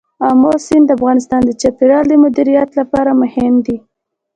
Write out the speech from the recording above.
آمو سیند د افغانستان د چاپیریال د مدیریت لپاره مهم دي.